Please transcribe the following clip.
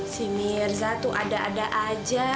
si mirza tuh ada ada aja